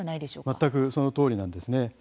全くそのとおりなんですね。